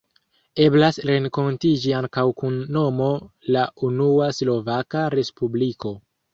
Eblas renkontiĝi ankaŭ kun nomo La unua Slovaka Respubliko.